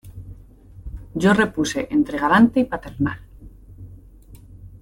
yo repuse entre galante y paternal: